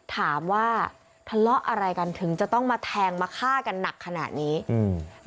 ถามว่าทะเลาะอะไรกันถึงจะต้องมาแทงมาฆ่ากันหนักขนาดนี้อืม